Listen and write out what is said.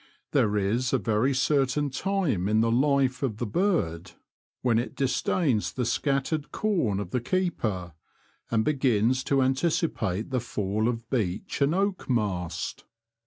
There is a very certain time in the life of the bird when it disdains the scattered corn of the 7 8 The Confessions of a T^oachei\ keeper, and begins to anticipate the fall of beech and oak mast.